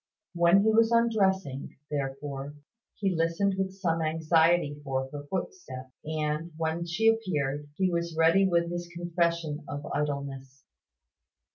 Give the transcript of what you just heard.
When he was undressing, therefore, he listened with some anxiety for her footsteps, and, when she appeared, he was ready with his confession of idleness.